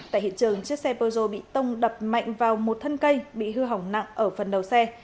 tại hiện trường chiếc xe peugeot bị tông đập mạnh vào một thân cây bị hư hỏng nặng ở phần đầu xe